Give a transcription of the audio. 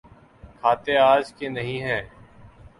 کھاتے آج کے نہیں ہیں۔